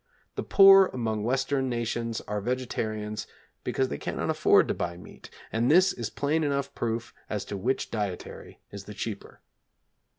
The poor among Western nations are vegetarians because they cannot afford to buy meat, and this is plain enough proof as to which dietary is the cheaper.